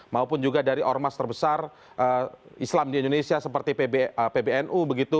maupun juga dari ormas terbesar islam di indonesia seperti pbnu begitu